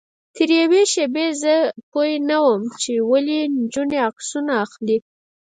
تر یوې شېبې زه پوی نه وم چې ولې نجونې عکسونه اخلي.